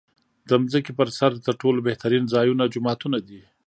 د ځمکې پر سر تر ټولو بهترین ځایونه جوماتونه دی .